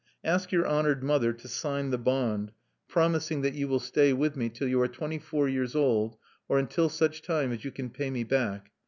Ask your honored mother to sign the bond, promising that you will stay with me till you are twenty four years old, or until such time as you can pay me back.